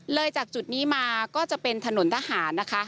เลยจากจุดนี้มาก็จะเป็นถนนทหารนะคะ